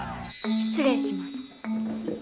失礼します。